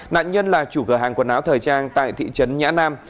nạn nhân là chủ cửa hàng quần áo thời trang tại thị trấn nhã nam